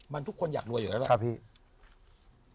มันทุกคนอยากรวยอยู่แล้วแหละ